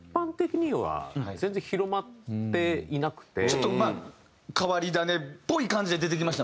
ちょっとまあ変わり種っぽい感じで出てきました